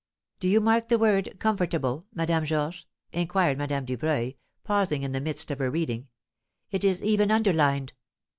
"Do you mark the word 'comfortable,' Madame Georges?" inquired Madame Dubreuil, pausing in the midst of her reading; "it is even underlined."